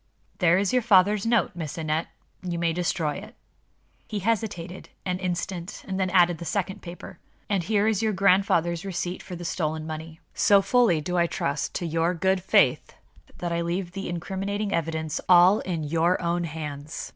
"There is your father's note, Miss Aneth. You may destroy it." He hesitated an instant, and then added the second paper. "And here is your grandfather's receipt for the stolen money. So fully do I trust to your good faith that I leave the incriminating evidence all in your own hands.